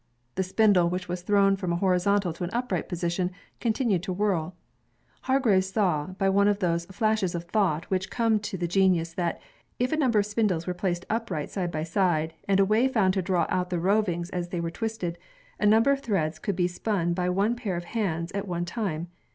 The spindle, which was thrown from a horizontal to an upright posi tion, continued to whirl. Hargreaves saw, by one of those flashes of thought which come to the genius, that, if a number of spindles were placed upright side by side, and a way found to draw out the rovings as they were twisted, a number of threads could be spun by one pair of hands at one . time.